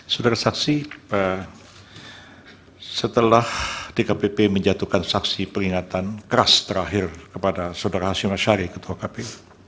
saudara saksi setelah dkpp menjatuhkan saksi peringatan keras terakhir kepada saudara hashim ashari ketua kpu